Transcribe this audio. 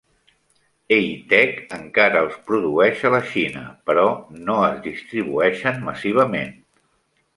Eittek encara els produeix a la Xina, però no es distribueixen massivament.